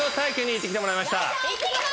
行ってきました！